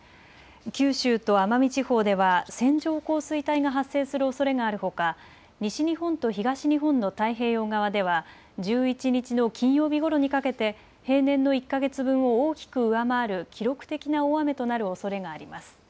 九州と奄美地方では線状降水帯が発生するおそれがあるほか、西日本と東日本の太平洋側では、１１日の金曜日ごろにかけて、平年の１か月分を大きく上回る記録的な大雨となるおそれがあります。